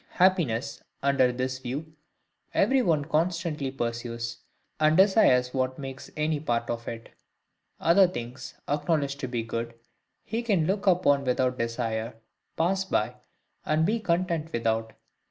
Happiness, under this view, every one constantly pursues, and desires what makes any part of it: other things, acknowledged to be good, he can look upon without desire, pass by, and be content without.